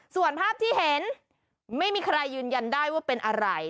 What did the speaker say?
ส่วนภาพที่เห็นไม่มีใครยืนยันได้ว่าเป็นอะไร